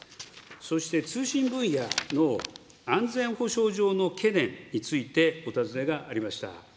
そして通信分野の安全保障上の懸念についてお尋ねがありました。